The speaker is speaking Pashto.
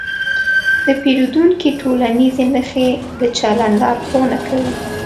د پیریدونکي ټولنیزې نښې د چلند لارښوونه کوي.